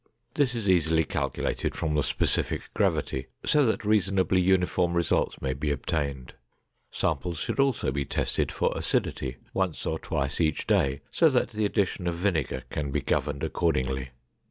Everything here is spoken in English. This is easily calculated from the specific gravity so that reasonably uniform results may be obtained. Samples should also be tested for acidity once or twice each day so that the addition of vinegar can be governed accordingly.